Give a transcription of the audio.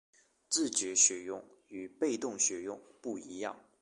自觉学用与被动学用不一样